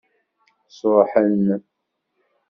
Sṛuḥen.